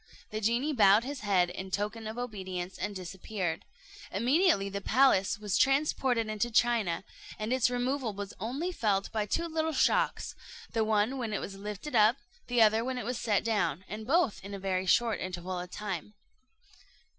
The genie bowed his head in token of obedience, and disappeared. Immediately the palace was transported into China, and its removal was only felt by two little shocks, the one when it was lifted up, the other when it was set down, and both in a very short interval of time.